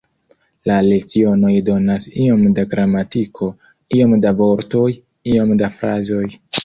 La lecionoj donas iom da gramatiko, iom da vortoj, iom da frazoj.